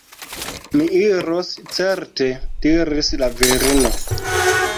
Mi iros certe, diris la virino.